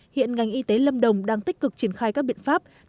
hiện ngành y tế lâm đồng đang tích cực triển khai các biện pháp dập dịch